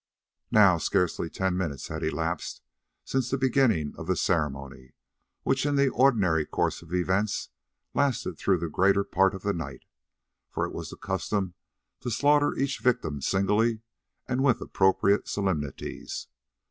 Now scarcely ten minutes had elapsed since the beginning of the ceremony, which in the ordinary course of events lasted through the greater part of the night, for it was the custom to slaughter each victim singly and with appropriate solemnities.